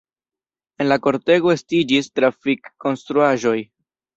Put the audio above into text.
En la kortego estiĝis trafik-konstruaĵoj.